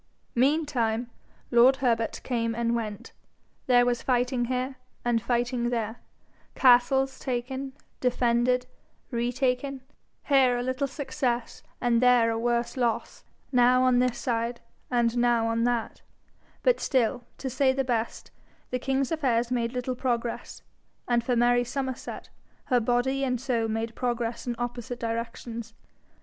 Meantime lord Herbert came and went. There was fighting here and fighting there, castles taken, defended, re taken, here a little success and there a worse loss, now on this side and now on that; but still, to say the best, the king's affairs made little progress; and for Mary Somerset, her body and soul made progress in opposite directions.